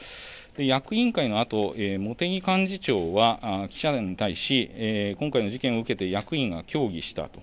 役員会のあと、茂木幹事長は記者団に対し、今回の事件を受けて、役員が協議したと。